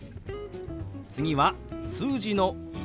次は数字の「１」。